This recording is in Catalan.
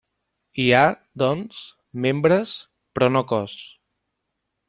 Hi ha, doncs, membres, però no cos.